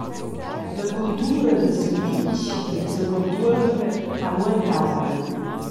La cultura da siu vitg e da siu contuorn ha muentau el.